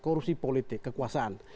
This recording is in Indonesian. korupsi politik kekuasaan